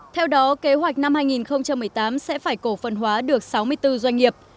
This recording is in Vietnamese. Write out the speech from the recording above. theo đó kế hoạch năm hai nghìn một mươi tám sẽ phải cổ phần hóa được sáu mươi bốn doanh nghiệp